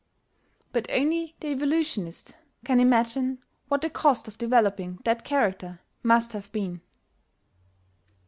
But only the evolutionist can imagine what the cost of developing that character must have been.